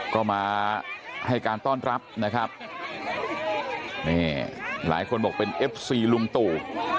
ก็มาให้การต้อนรับหลายคนบอกเป็นเอฟซีลุงตู่